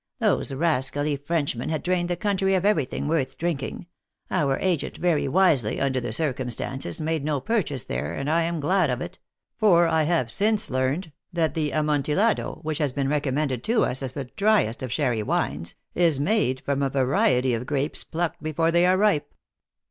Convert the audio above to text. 4 Those rascally Frenchmen had drained the country of everything worth drinking ; our agent, very wisely, under the circumstances, made no purchase there, and I am glad of it; for I have since learned, that the Amontillado, which had been recommended to us as the dryest of sherry wines, is made from a variety of grapes plucked before they are ripe."